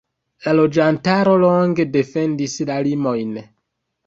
La loĝantaro longe defendis la limojn.